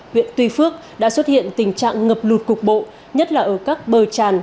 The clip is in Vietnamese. huyện tuy phước đã xuất hiện tình trạng ngập lụt cục bộ nhất là ở các bờ tràn